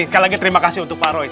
sekali lagi terima kasih untuk pak roy